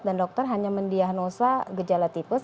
dan dokter hanya mendiagnosa gejala tipus